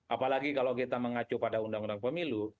apalagi kalau kita mengacu pada undang undang pemilu